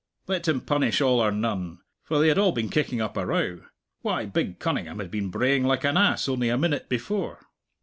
Let him punish all or none, for they had all been kicking up a row why, big Cunningham had been braying like an ass only a minute before.